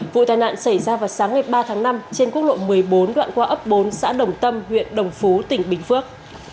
vụ tai nạn xảy ra vào sáng ngày ba tháng năm trên quốc lộ một mươi bốn đoạn qua ấp bốn xã đồng tâm huyện đồng phú tỉnh bình phước